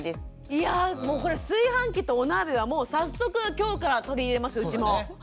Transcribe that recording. いやぁもうこれ炊飯器とお鍋はもう早速今日から取り入れますうちも。